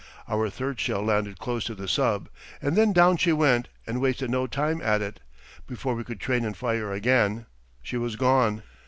Our third shell landed close to the sub. And then down she went and wasted no time at it. Before we could train and fire again she was gone.